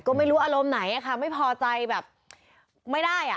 ก็ไม่รู้อารมณ์ไหนไม่พอใจแบบไม่ได้